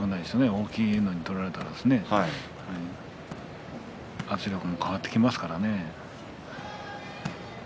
大きいのに取られたら圧力も変わってきますからね。